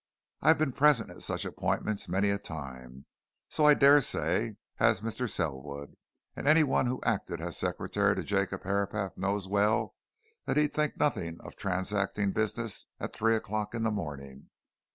I've been present at such appointments many a time. So, I dare say, has Mr. Selwood; any one who acted as secretary to Jacob Herapath knows well that he'd think nothing of transacting business at three o'clock in the morning.